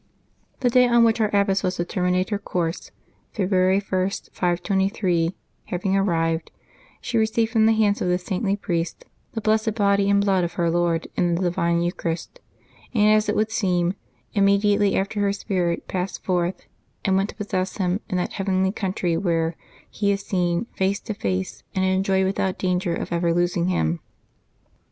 The day on which our abbess was to terminate her course, February 1, 523, having arrived, she received from the hands of this saintly priest the blessed body and blood of her Lord in the divine Eucharist, and, as it would seem, immediately after her spirit passed forth, and went to possess Him in that heavenly country where He is seen face to face and enjoyed without danger of ever losing Him.